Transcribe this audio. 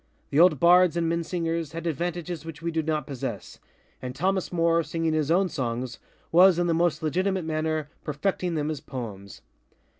The old Bards and Minnesingers had advantages which we do not possessŌĆöand Thomas Moore, singing his own songs, was, in the most legitimate manner, perfecting them as poems.